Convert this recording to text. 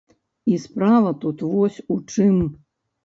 І справа тут вось у чым.